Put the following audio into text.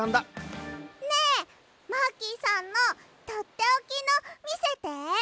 ねえマーキーさんのとっておきのみせて！